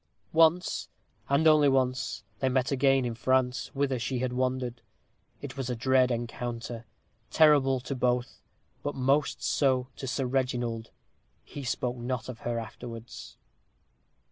Once, and once only, they met again, in France, whither she had wandered. It was a dread encounter terrible to both; but most so to Sir Reginald. He spoke not of her afterwards.